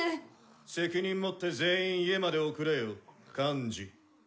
責任持って全員家まで送れよ幹事。